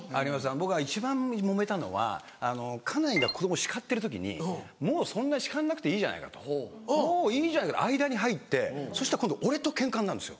僕が一番もめたのは家内が子供を叱ってる時にもうそんなに叱んなくていいじゃないかと間に入ってそしたら今度俺とケンカになるんですよ。